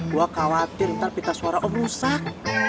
gua khawatir ntar pintas suara om rusak